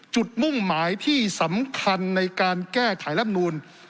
มุ่งหมายที่สำคัญในการแก้ไขรับนูล